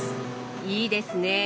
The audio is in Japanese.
いいですね！